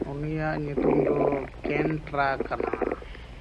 ᱩᱱᱤᱭᱟᱜ ᱧᱩᱛᱩᱢ ᱫᱚ ᱠᱮᱱᱴᱨᱟ ᱠᱟᱱᱟ᱾